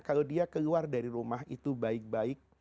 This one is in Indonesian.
kalau dia keluar dari rumah itu baik baik